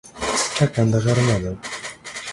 ټکنده غرمه ده